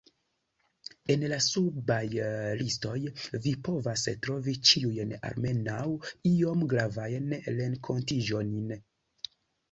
En la subaj listoj vi povas trovi ĉiujn almenaŭ iom gravajn renkontiĝojn.